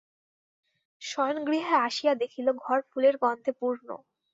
শয়নগৃহে আসিয়া দেখিল, ঘর ফুলের গন্ধে পূর্ণ।